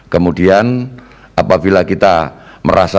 kemudian apabila kita merasa